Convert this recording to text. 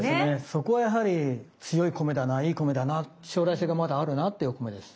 そこはやはり強い米だないい米だな将来性がまだあるなっていうお米です。